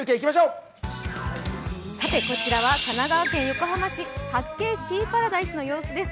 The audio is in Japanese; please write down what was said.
こちらは神奈川県横浜市、八景島シーパラダイスの様子です。